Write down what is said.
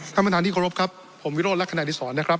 ท่านประธานที่เคารพครับผมวิโรธลักษณะดิสรนะครับ